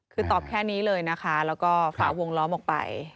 คือตอบแค่นี้เลยนะคะแล้วก็ฝาวงล้อมออกไป